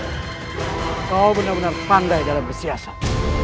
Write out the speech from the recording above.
rompang kau benar benar pandai dalam persiasan